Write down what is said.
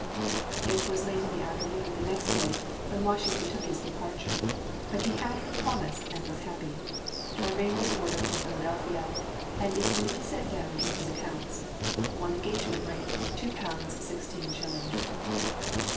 It was late in the afternoon of the next day when Washington took his departure, but he had her promise and was happy. A ring was ordered from Philadelphia, and is duly set down in his accounts: "One engagement ring, two pounds, sixteen shillings."